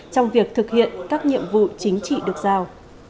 trong việc thực hiện các nhiệm vụ chính trị được giao